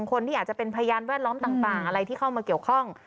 คนที่อาจจะเป็นพยานแวดล้อมต่างอะไรที่เข้ามาเกี่ยวข้อง